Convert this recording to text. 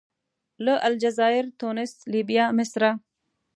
له الجزایر، تونس، لیبیا، مصره.